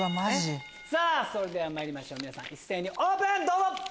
さぁそれではまいりましょう皆さん一斉にオープン！